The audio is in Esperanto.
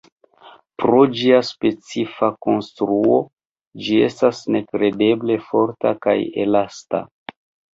Pro ĝia specifa konstruo, ĝi estas nekredeble forta kaj elasta.